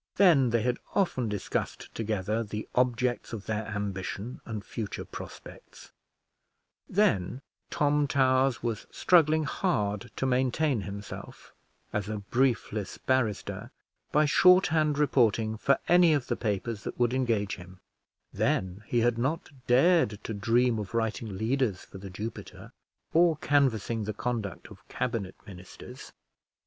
Then they had often discussed together the objects of their ambition and future prospects; then Tom Towers was struggling hard to maintain himself, as a briefless barrister, by shorthand reporting for any of the papers that would engage him; then he had not dared to dream of writing leaders for The Jupiter, or canvassing the conduct of Cabinet ministers.